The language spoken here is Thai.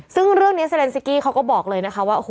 ซึ่งเรื่องนี้เซลนซิกี้เขาก็บอกเลยนะคะว่า